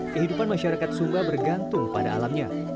kehidupan masyarakat sumba bergantung pada alamnya